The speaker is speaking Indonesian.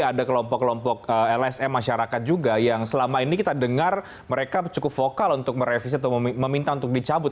ada kelompok kelompok lsm masyarakat juga yang selama ini kita dengar mereka cukup vokal untuk merevisi atau meminta untuk dicabut